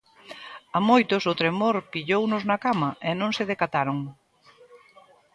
A moitos o tremor pillounos na cama e non se decataron.